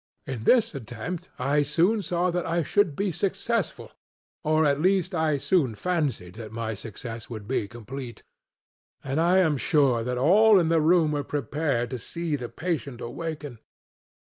In this attempt I soon saw that I should be successfulŌĆöor at least I soon fancied that my success would be completeŌĆöand I am sure that all in the room were prepared to see the patient awaken.